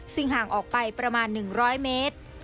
ซึ่งห่างออกไปประมาณ๑๐๐เมตร